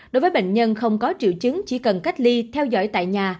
đối với bệnh nhân không có triệu chứng chỉ cần cách ly theo dõi tại nhà